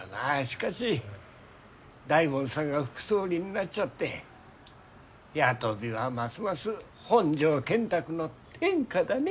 しかし大門さんが副総理になっちゃって八飛はますます本城建託の天下だね。